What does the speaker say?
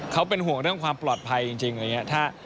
เขาเป็นห่วงเรื่องความปลอดภัยจริงอะไรอย่างนี้